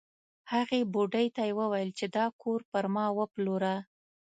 هغې بوډۍ ته یې وویل چې دا کور پر ما وپلوره.